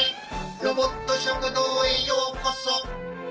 ロボット食堂へようこそ。